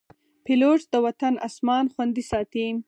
پیلوټ د وطن اسمان خوندي ساتي.